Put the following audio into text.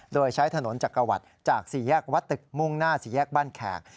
โดยใช้ถนนจักรวรรดิจากสี่แยกวัดตึกมุ่งหน้าสี่แยกบ้านแขก